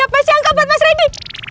apa sih angka buat mas rendy